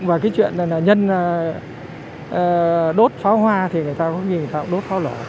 và cái chuyện là nhân đốt pháo hoa thì người ta cũng nhìn thấy đốt pháo lổ